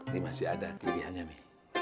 nih masih ada kebiahannya mi